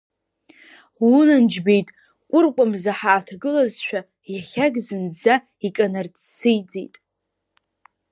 Унан, џьбеит, кәыркәамза ҳааҭагылазшәа, иахьак зынӡа иканарццеиӡеит!